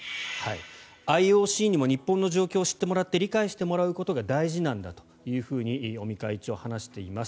ＩＯＣにも日本の状況を知ってもらって理解してもらうことが大事なんだと尾身会長、話しています。